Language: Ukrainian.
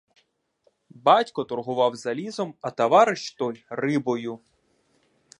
Батько торгував залізом, а товариш той — рибою.